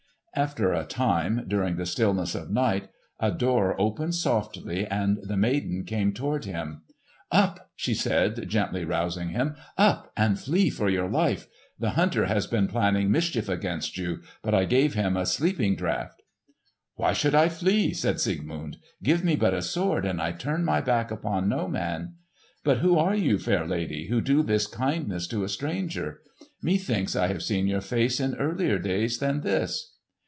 After a time, during the stillness of night, a door opened softly and the maiden came toward him. "Up!" she said, gently rousing him. "Up and flee for your life! The hunter has been planning mischief against you, but I gave him a sleeping draught." "Why should I flee?" said Siegmund. "Give me but a sword and I turn my back upon no man! But who are you, fair lady, who do this kindness to a stranger? Methinks I have seen your face in earlier days than this."